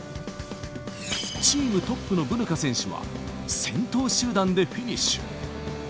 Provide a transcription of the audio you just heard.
チームトップのブヌカ選手は、先頭集団でフィニッシュ。